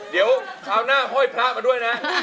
เดี๋ยวคราวหน้าห้อยพระมาด้วยนะ